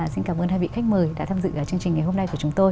xin cảm ơn hai vị khách mời đã tham dự chương trình ngày hôm nay của chúng tôi